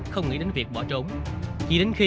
không nghĩ đến việc bỏ trốn chỉ đến khi